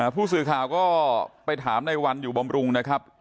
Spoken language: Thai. ผู้สื่อข่าวก็ไปถามในวันอยู่บำรุงนะครับ